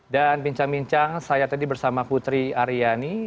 dan bincang bincang saya tadi bersama putri aryani